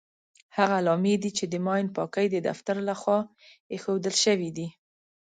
هغه علامې دي چې د ماین پاکۍ د دفتر لخوا ايښودل شوې دي.